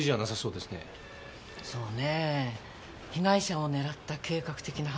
そうね被害者を狙った計画的な犯行か。